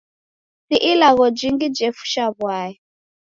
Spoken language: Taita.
Si ilagho jingi jefusha w'aya.